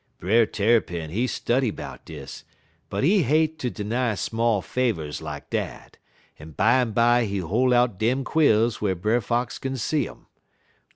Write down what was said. "Brer Tarrypin, he study 'bout dis, but he hate ter 'ny small favors like dat, en bimeby he hol' out dem quills whar Brer Fox kin see um.